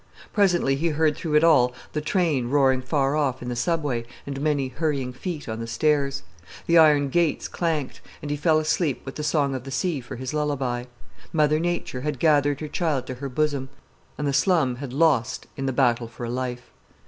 Presently he heard through it all the train roaring far off in the Subway and many hurrying feet on the stairs. The iron gates clanked and he fell asleep with the song of the sea for his lullaby. Mother Nature had gathered her child to her bosom, and the slum had lost in the battle for a life.